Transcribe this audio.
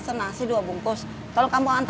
saya juga pesen